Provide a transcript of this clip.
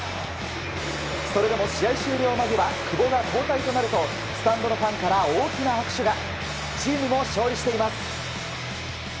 それでも試合終了間際久保が交代となるとスタンドのファンから大きな拍手が。